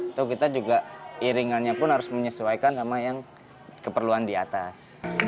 atau kita juga iringannya pun harus menyesuaikan sama yang keperluan di atas